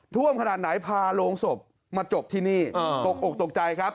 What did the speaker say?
ท่วมขนาดไหนพาโรงศพมาจบที่นี่ตกอกตกใจครับ